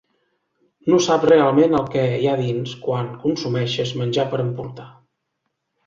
No saps realment el que hi ha dins quan consumeixes menjar per emportar.